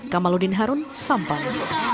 kamaludin harun sampang